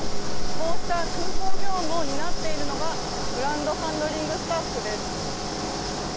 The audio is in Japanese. こうした空港業務を担っているのがグランドハンドリングスタッフです。